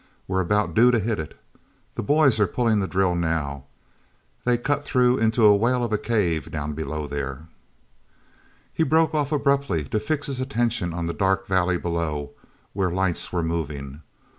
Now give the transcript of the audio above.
We're about due to hit it. The boys are pulling the drill now; they cut through into a whale of a cave down below there—" He broke off abruptly to fix his attention on the dark valley below, where lights were moving.